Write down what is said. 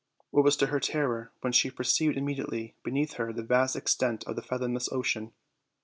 What was her terror when she per ceived immediately beneath her the vast extent of the fathomless ocean!